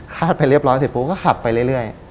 คาดไปเรียบร้อยซึ่งปุ๊บก็ขับไปเรื่อย